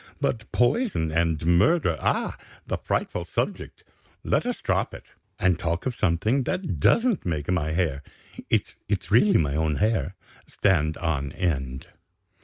But poison and murder ah, the frightful subject! let us drop it, and talk of something that doesn't make my hair (it's really my own hair) stand on end.